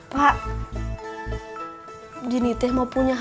lalu di takut diri